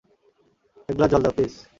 এক গ্লাস জল দাও, প্লিজ।